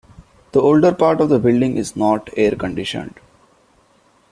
The older part of the building is not air conditioned.